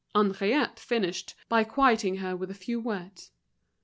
Henriette finished by quieting her with a few words.